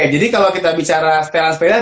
jadi kalau kita bicara setelan sepedanya